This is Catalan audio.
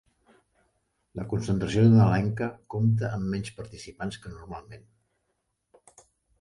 La concentració nadalenca compta amb menys participants que normalment